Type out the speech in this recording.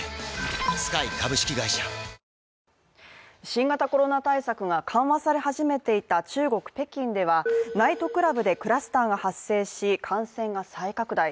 新型コロナ対策が緩和され始めていた中国・北京では、ナイトクラブでクラスターが発生し感染が再拡大。